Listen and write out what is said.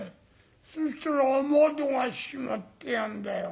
そしたら雨戸が閉まってやんだよ。